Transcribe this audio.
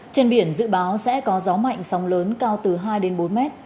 trên biển dự báo sẽ có gió mạnh sóng lớn cao từ hai đến bốn mét